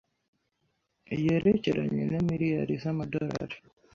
yerekeranye na miliyari z’amadolari